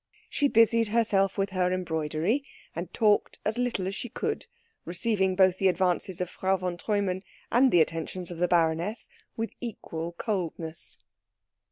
She busied herself with her embroidery and talked as little as she could, receiving both the advances of Frau von Treumann and the attentions of the baroness with equal coldness.